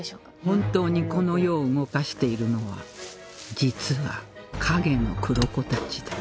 本当にこの世を動かしているのは実は影の黒子たちだ